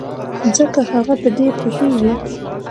ځکه هغه په دې پوهېږي.